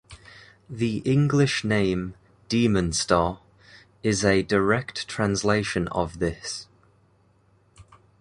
The English name "Demon Star" is a direct translation of this.